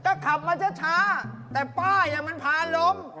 ก็ขับมาช้าแต่ป้ายมันพาล้ม